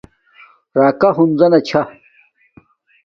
راکا ہنزہ نا چھا